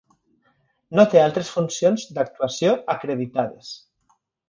No té altres funcions d"actuació acreditades.